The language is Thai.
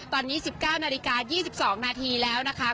ตอนนี้๑๙นาฬิกา๒๒นาทีแล้วนะคะ